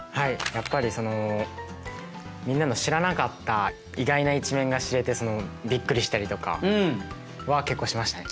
やっぱりそのみんなの知らなかった意外な一面が知れてびっくりしたりとかは結構しましたね。